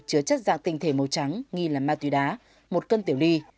chứa chất dạng tinh thể màu trắng nghi là ma túy đá một cân tiểu ly